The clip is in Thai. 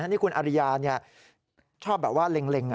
นี่คุณอาริยาชอบแบบแล้ว